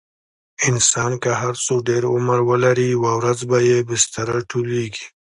انسان که هر څو ډېر عمر ولري، یوه ورځ به یې بستره ټولېږي.